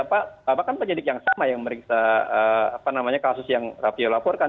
pak apakah penyidik yang sama yang memeriksa kasus yang raffio laporkan